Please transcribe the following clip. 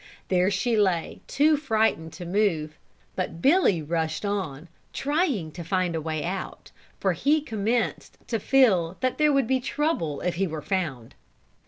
There she lay too frightened to move, but Billy rushed on trying to find a way out for he commenced to feel that there would be trouble if he were found.